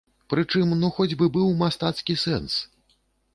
Прычым ну хоць бы быў мастацкі сэнс.